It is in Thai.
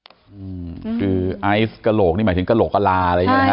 อืมคือไอซ์กระโหลกนี่หมายถึงกระโหลกกระลาอะไรอย่างนี้นะฮะ